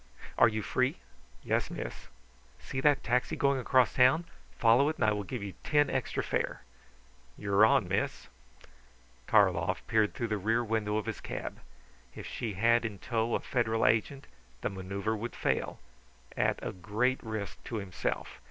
"Are you free?" "Yes, miss." "See that taxi going across town? Follow it and I will give you ten extra fare." "You're on, miss." Karlov peered through the rear window of his cab. If she had in tow a Federal agent the manoeuvre would fail, at a great risk to himself.